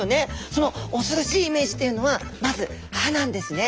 その恐ろしいイメージというのはまず歯なんですね。